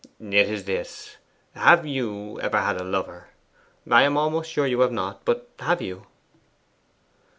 'It is this: have you ever had a lover? I am almost sure you have not; but, have you?